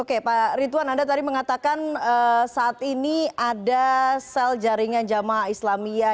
oke pak ridwan anda tadi mengatakan saat ini ada sel jaringan jamaah islamiyah